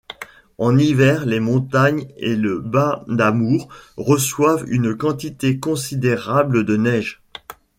En hiver les montagnes et le bas d'Amour reçoivent une quantité considérable de neige.